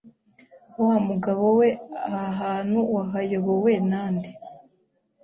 Wa mugabo we aha hantu wahayobowe na nde